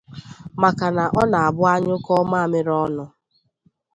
maka na ọ na-abụ a nyụkọọ mamịrị ọnụ